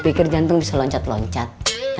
pikir jantung bisa loncat loncat